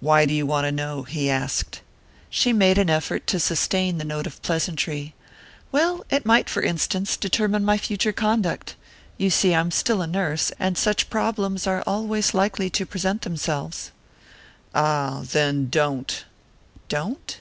"Why do you want to know?" he asked. She made an effort to sustain the note of pleasantry. "Well it might, for instance, determine my future conduct. You see I'm still a nurse, and such problems are always likely to present themselves." "Ah, then don't!" "Don't?"